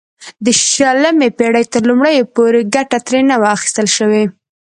د شلمې پېړۍ تر لومړیو پورې ګټه ترې نه وه اخیستل شوې.